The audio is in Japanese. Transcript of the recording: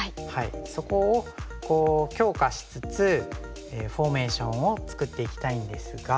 そこを強化しつつフォーメーションを作っていきたいんですが。